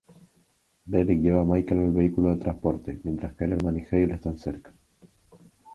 Bellick lleva a Michael al vehículo de transporte, mientras Kellerman y Hale están cerca.